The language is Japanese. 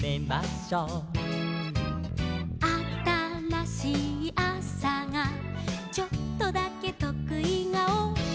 「あたらしいあさがちょっとだけとくい顔」